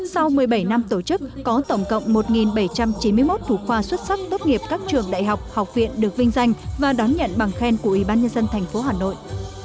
sau một mươi bảy năm tổ chức có tổng cộng một bảy trăm chín mươi một thủ khoa xuất sắc tốt nghiệp các trường đại học học viện được vinh danh và đón nhận bằng khen của ủy ban nhân dân tp hà nội